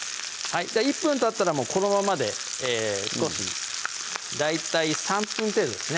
１分たったらもうこのままで少し大体３分程度ですね